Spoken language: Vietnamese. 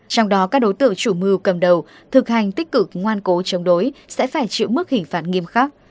trong đó các đối tượng chủ mưu cầm đầu thực hành tích cực ngoan cố chống đối sẽ phải chịu mức hình phạt nghiêm khắc